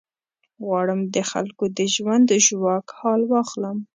غواړم د خلکو د ژوند ژواک حال واخلم.